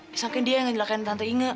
misalnya dia yang nganterin tante inge